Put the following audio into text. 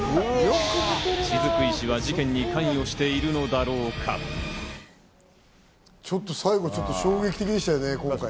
雫石は事件に関与しているのだろ最後、ちょっと衝撃的でしたね、今回。